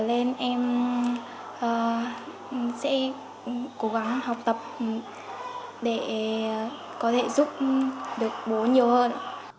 nên em sẽ cố gắng học tập để có thể giúp được bố nhiều hơn